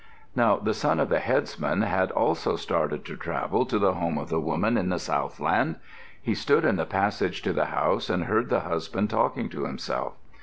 Now the son of the headsman had also started to travel to the home of the woman in the southland. He stood in the passage to the house and heard the husband talking to himself.